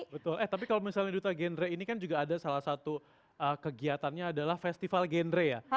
betul eh tapi kalau misalnya duta gendre ini kan juga ada salah satu kegiatannya adalah festival gendre ya